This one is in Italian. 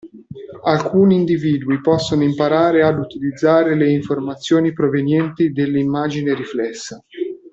Alcuni individui possono imparare ad utilizzare le informazioni provenienti dell'immagine riflessa.